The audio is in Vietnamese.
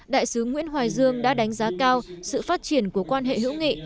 đại sứ nguyễn hoài dương đã đánh giá cao sự phát triển của quan hệ hữu nghị